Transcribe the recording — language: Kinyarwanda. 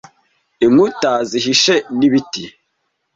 Inkuta zihishe nibiti.